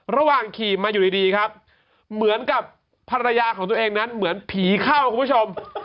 ระหว่างขี่มาอยู่ดีครับเหมือนกับภรรยาของตัวเองนั้นเหมือนผีเข้าคุณผู้ชม